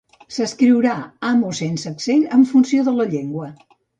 S'escriurà amb o sense accent en funció de la llengua.